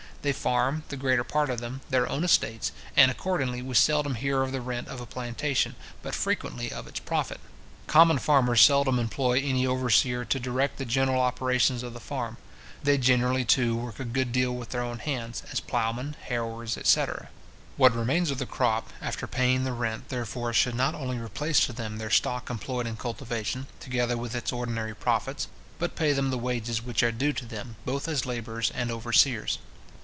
They farm, the greater part of them, their own estates: and accordingly we seldom hear of the rent of a plantation, but frequently of its profit. Common farmers seldom employ any overseer to direct the general operations of the farm. They generally, too, work a good deal with their own hands, as ploughmen, harrowers, etc. What remains of the crop, after paying the rent, therefore, should not only replace to them their stock employed in cultivation, together with its ordinary profits, but pay them the wages which are due to them, both as labourers and overseers.